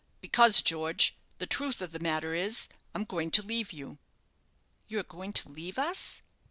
"Because, George, the truth of the matter is, I'm going to leave you." "You are going to leave us?"